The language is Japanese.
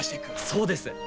そうです！